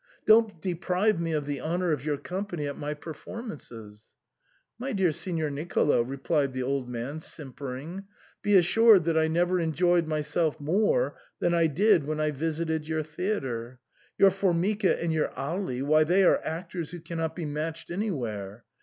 Don't deprive me of the honour of your company at my performances !" "My dear Signor Nicolo," replied the old man, sim pering, " be assured that I never enjoyed myself more than I did when I visited your theatre. Your Formica and your Agli — why, they are actors who cannot be matched anywhere.